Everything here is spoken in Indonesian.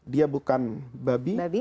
dia bukan babi